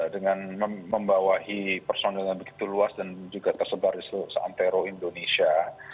dengan membawahi personil yang begitu luas dan juga tersebar di seluruh seantero indonesia